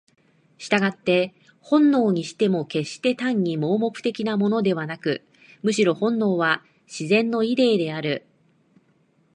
従って本能にしても決して単に盲目的なものでなく、むしろ本能は「自然のイデー」である。